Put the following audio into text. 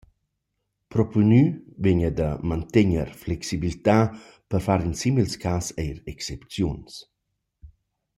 Proponü vegna da mantegner flexibiltà per far in simils cas eir excepziuns.